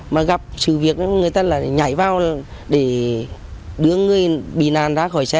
mà gặp sự việc người ta lại nhảy vào để đưa người bị nạn ra khỏi xe